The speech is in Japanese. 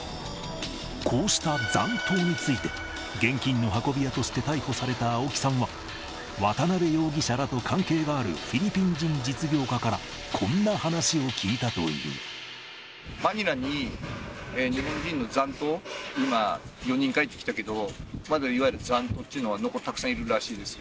こうした残党について、現金の運び屋として逮捕された青木さんは、渡辺容疑者らと関係があるフィリピン人実業家からこんな話を聞いマニラに日本人の残党、今、４人帰ってきたけど、まだ、いわゆる残党っていうのはたくさんいるらしいですよ。